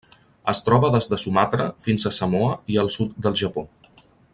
Es troba des de Sumatra fins a Samoa i el sud del Japó.